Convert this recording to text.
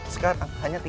sekarang hanya tiga jam